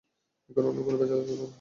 এখানে অন্য কোনো ভেজাল করবে না।